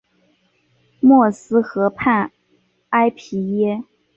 默斯河畔埃皮耶。